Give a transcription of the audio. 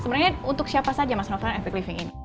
sebenarnya untuk siapa saja mas nofran epic living ini